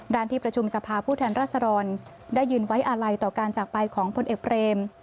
ที่ประชุมสภาผู้แทนรัศดรได้ยืนไว้อาลัยต่อการจากไปของพลเอกเบรม